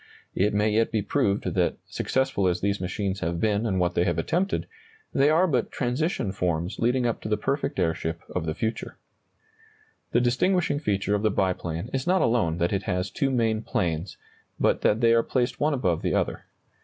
It may yet be proved that, successful as these machines have been in what they have attempted, they are but transition forms leading up to the perfect airship of the future. [Illustration: The Wright biplane in flight.] The distinguishing feature of the biplane is not alone that it has two main planes, but that they are placed one above the other.